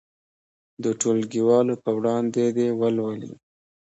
د ټولګیوالو په وړاندې دې ولولي.